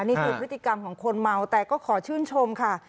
นี่คือพฤติกรรมของคนเมาแต่ก็ขอชื่นชมค่ะ